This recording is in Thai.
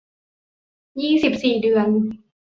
ยี่สิบสี่ เดือน